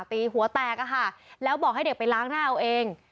ตีหัวแตกอะค่ะแล้วบอกให้เด็กไปล้างหน้าเอาเอง